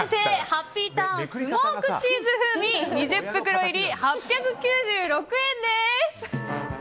ハッピーターンスモークチーズ風味２０袋入り８９６円です。